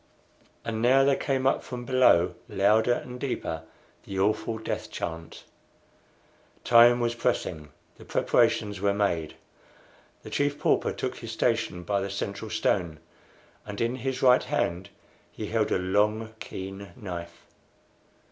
And now there came up from below, louder and deeper, the awful death chant. Time was pressing. The preparations were made. The Chief Pauper took his station by the central stone, and in his right hand he held a long, keen knife.